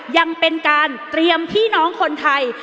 ยังเป็นการเตรียมพี่น้องคนไทย